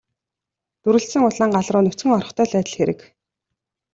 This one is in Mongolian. Дүрэлзсэн улаан гал руу нүцгэн орохтой л адил хэрэг.